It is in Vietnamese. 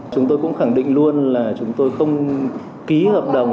chúng tôi cũng khẳng định luôn là chúng tôi không ký hợp đồng